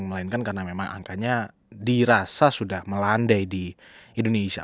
melainkan karena memang angkanya dirasa sudah melandai di indonesia